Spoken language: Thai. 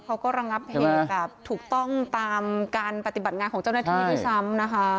ระงับเหตุแบบถูกต้องตามการปฏิบัติงานของเจ้าหน้าที่ด้วยซ้ำนะคะ